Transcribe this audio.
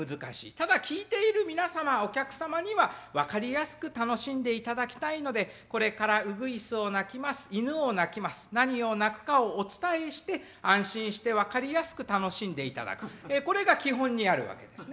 ただ聞いている皆様お客様には分かりやすく楽しんでいただきたいので「これからウグイスを鳴きます」「犬を鳴きます」何を鳴くかをお伝えして安心して分かりやすく楽しんでいただくこれが基本にあるわけですね。